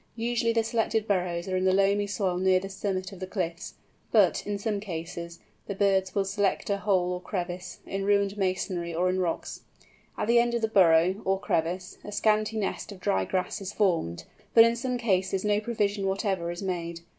Usually the selected burrows are in the loamy soil near the summit of the cliffs; but, in some cases, the birds will select a hole, or crevice, in ruined masonry, or in rocks. At the end of the burrow, or crevice, a scanty nest of dry grass is formed, but in some cases no provision whatever is made.